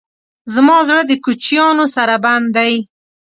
زما زړه د کوچیانو سره بند دی.